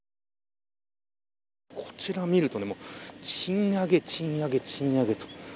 こちらを見ると賃上げ、賃上げ、賃上げと。